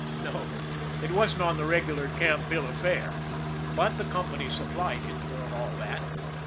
No, it wasn't on the regular camp bill of fare but the company supplied it for all that.